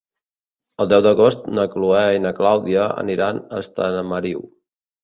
El deu d'agost na Chloé i na Clàudia aniran a Estamariu.